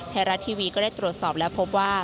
ไทยรัฐทีวีก็ได้ตรวจสอบและพบว่า